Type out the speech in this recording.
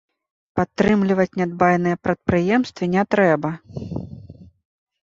Падтрымліваць нядбайныя прадпрыемствы не трэба.